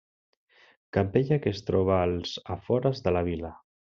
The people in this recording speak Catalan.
Capella que es troba als afores de la vila.